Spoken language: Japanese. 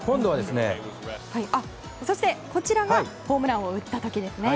そして、こちらがホームランを打った時ですね。